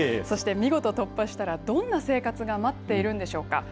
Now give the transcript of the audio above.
そして見事突破したらどんな生活が待っているんでしょうか。